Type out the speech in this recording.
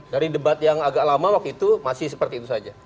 dari debat yang agak lama waktu itu masih seperti itu saja